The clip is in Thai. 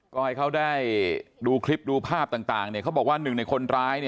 ก็ให้เขาได้ดูคลิปดูภาพต่างเขาบอกว่าหนึ่งในคนร้าย